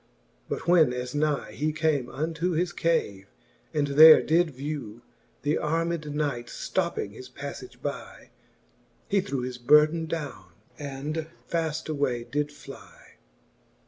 But when as ny He came unto his cave, and there did vew The armed knights, fl:opping his paflage by, He threw his burden downe, and faft: away did fly.